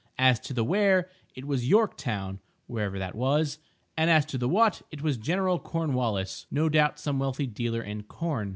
As to the where, it was Yorktown (wherever that was), and as to the what, it was General Cornwallis (no doubt some wealthy dealer in corn).